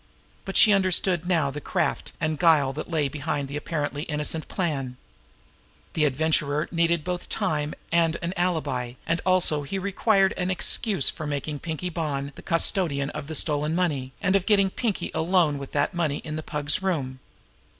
But she understood now the craft and guile that lay behind his apparently innocent plan. The Adventurer needed both time and an alibi, and also he required an excuse for making Pinkie Bonn the custodian of the stolen money, and of getting Pinkie alone with that money in the Pug's room.